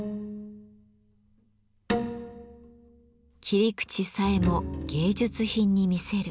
切り口さえも芸術品に見せる。